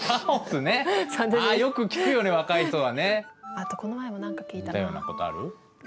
あとこの前も何か聞いたなぁ。